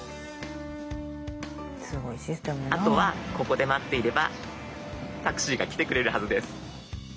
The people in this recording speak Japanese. あとはここで待っていればタクシーが来てくれるはずです。